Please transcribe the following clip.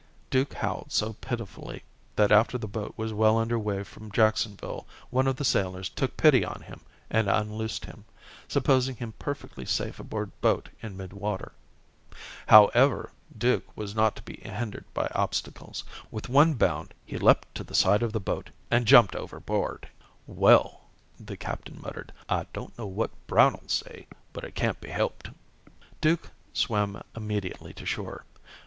Duke howled so pitifully that after the boat was well under way from Jacksonville one of the sailors took pity on him and unloosed him, supposing him perfectly safe aboard boat in midwater. However, Duke was not to be hindered by obstacles. With one bound, he leaped to the side of the boat and jumped overboard. "Well," the captain muttered, "I don't know what Brown'll say, but it can't be helped." Duke swam immediately to shore.